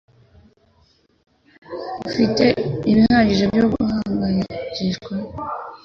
Ufite ibihagije byo guhangayikishwa